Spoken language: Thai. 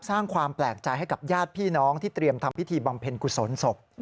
สร้างความแปลกใจให้กับญาติพี่น้องที่เตรียมทำพิธีบำเพ็ญกุศลศพ